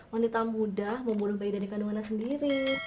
wanita muda membunuh bayi dari kandungannya sendiri